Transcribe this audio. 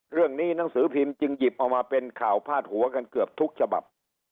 หนังสือพิมพ์จึงหยิบเอามาเป็นข่าวพาดหัวกันเกือบทุกฉบับ